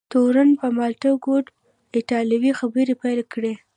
تورن په ماته ګوډه ایټالوي خبرې پیل کړې.